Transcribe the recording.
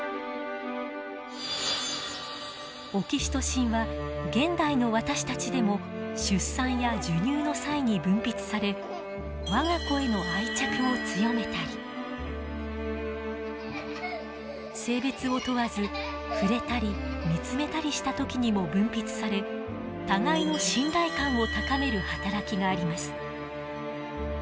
オキシトシンは現代の私たちでも出産や授乳の際に分泌され我が子への愛着を強めたり性別を問わず触れたり見つめたりした時にも分泌され互いの信頼感を高める働きがあります。